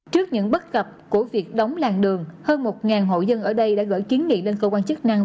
trước những bất cập của việc đóng làng đường hơn một hộ dân ở đây đã gửi kiến nghị lên cơ quan chức năng